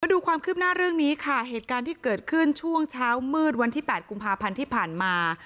ดูความคืบหน้าเรื่องนี้ค่ะเหตุการณ์ที่เกิดขึ้นช่วงเช้ามืดวันที่๘กุมภาพันธ์ที่ผ่านมา